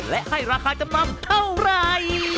และให้ราคาจำนำเท่าไหร่